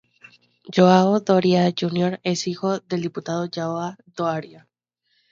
João Doria Júnior es hijo del diputado João Doria.